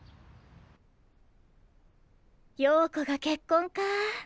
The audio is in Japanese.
陽子が結婚か。